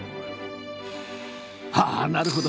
ああなるほど！